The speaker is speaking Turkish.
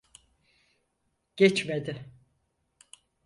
Geçmedi.